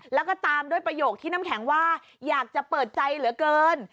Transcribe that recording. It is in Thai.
แล้วก็ตามด้วยประโยคที่น้ำแข็งว่าอยากจะเปิดใจเหลือเกิน